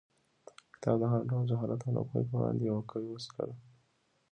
کتاب د هر ډول جهالت او ناپوهۍ پر وړاندې یوه قوي وسله ده.